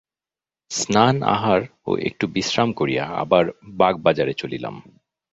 স্নান আহার ও একটু বিশ্রাম করিয়া আবার বাগবাজারে চলিলাম।